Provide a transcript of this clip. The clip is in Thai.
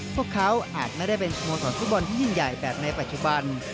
พวกเขาอาจไม่ได้เป็นสโมสรฟุตบอลที่ยิ่งใหญ่แบบในปัจจุบัน